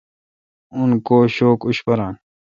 اون کو شوک اوشپاران